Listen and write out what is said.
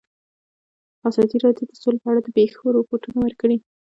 ازادي راډیو د سوله په اړه د پېښو رپوټونه ورکړي.